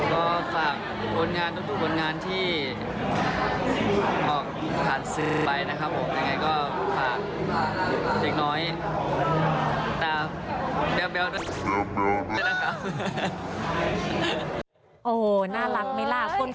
ก็ฝากคนงานทุกคนงานที่ออกผ่านซึรรรรรล์ไปนะครับผม